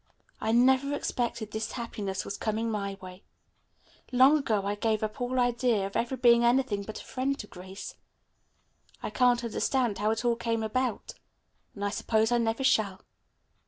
"I never expected this happiness was coming my way. Long ago I gave up all idea of ever being anything but a friend to Grace. I can't understand how it all came about, and I suppose I never shall."